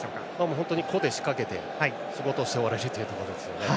本当に個で仕掛けて仕事をして終われるというところです。